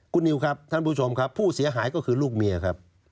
คุณนิวครับท่านผู้ชมครับผู้เสียหายก็คือลูกเมียครับ